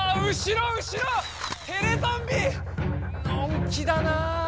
のんきだなぁ。